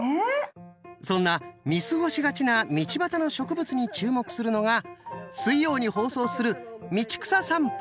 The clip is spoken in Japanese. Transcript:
そんな見過ごしがちな道端の植物に注目するのが水曜に放送する「道草さんぽ・春」。